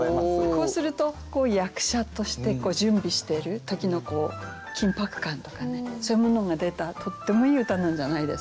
こうすると役者として準備してる時の緊迫感とかねそういうものが出たとってもいい歌なんじゃないですか。